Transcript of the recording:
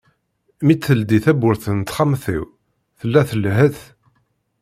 Mi d-teldi tawwurt n texxamt-iw, tella tlehhet.